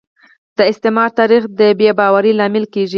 د استعمار تاریخ د بې باورۍ لامل کیږي